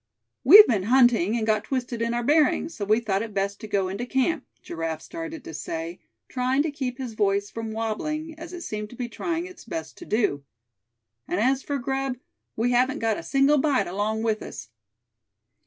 "We've been hunting, and got twisted in our bearings; so we thought it best to go into camp," Giraffe started to say, trying to keep his voice from wabbling, as it seemed to be trying its best to do. "And as for grub, we haven't got a single bite along with us."